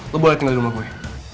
lo boleh kenal di rumah gue